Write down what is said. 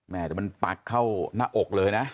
แต่มันปักเข้าหน้าอกเลยนะ